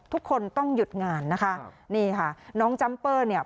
ทุกคนต้องหยุดงานนะคะนี่ค่ะน้องจัมเปอร์เนี่ย